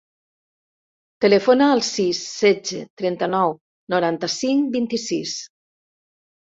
Telefona al sis, setze, trenta-nou, noranta-cinc, vint-i-sis.